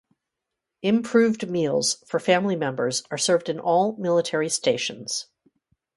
Improved meals for family members are served in all military stations.